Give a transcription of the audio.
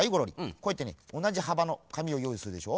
こうやってねおなじはばのかみをよういするでしょ。